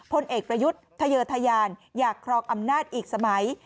พลเอกประยุทธ์ทะเยอร์ทะยานอยากครองอำนาจอีกสมัย